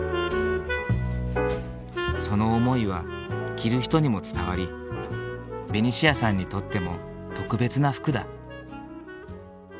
その思いは着る人にも伝わりベニシアさんにとっても特別な服だ。